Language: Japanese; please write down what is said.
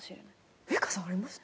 ウイカさんありました？